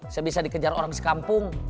saya bisa dikejar orang sekampung